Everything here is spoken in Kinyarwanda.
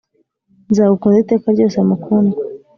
Nzagukunda iteka ryose mukundwa